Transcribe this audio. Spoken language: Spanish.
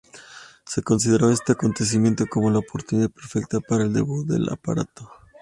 Se consideró este acontecimiento como la oportunidad perfecta para el debut del aparato.